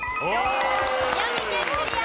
宮城県クリア。